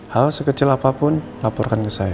hal sekecil apapun laporkan ke saya